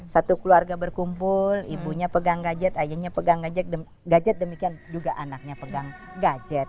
satu keluarga berkumpul ibunya pegang gadget ayahnya pegang gadget demikian juga anaknya pegang gadget